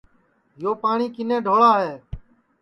یو پاٹؔی کِنے ڈھوڑا ہے